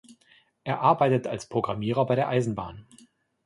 Er arbeitet als Programmierer bei der Eisenbahn.